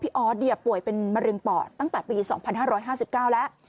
ออสป่วยเป็นมะเร็งปอดตั้งแต่ปี๒๕๕๙แล้ว